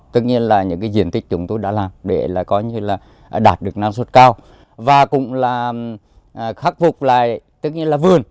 tất nhiên là những cái diện tích chúng tôi đã làm để là coi như là đạt được năng suất cao và cũng là khắc phục lại tức nhiên là vườn